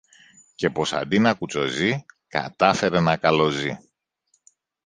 και πως αντί να κουτσοζεί, κατάφερε να καλοζεί.